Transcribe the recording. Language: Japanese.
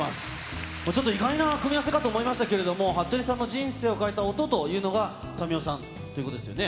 ちょっと意外な組み合わせかと思いましたけど、はっとりさんの人生を変えた音というのが、民生さんということですよね。